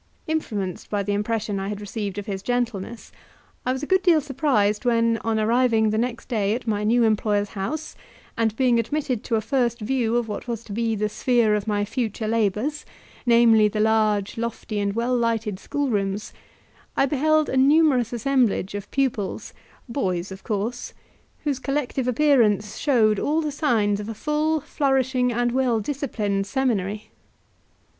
Influenced by the impression I had received of his gentleness, I was a good deal surprised when, on arriving the next day at my new employer's house, and being admitted to a first view of what was to be the sphere of my future labours, namely the large, lofty, and well lighted schoolrooms, I beheld a numerous assemblage of pupils, boys of course, whose collective appearance showed all the signs of a full, flourishing, and well disciplined seminary.